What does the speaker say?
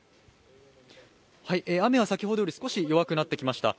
雨は先ほどより少し弱くなってきました。